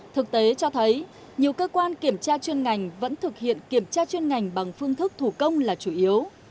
thực tế cho thấy nhiều cơ quan kiểm tra chuyên ngành vẫn thực hiện kiểm tra chuyên ngành bằng phương thức thủ công là chủ yếu